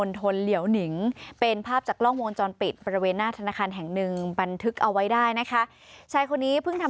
อุ๊ยแล้วดูลมอ่ะ